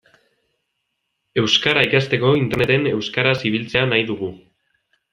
Euskara ikasteko Interneten euskaraz ibiltzea nahi dugu.